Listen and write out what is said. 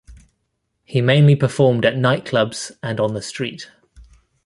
He mainly performed at nightclubs and on the street.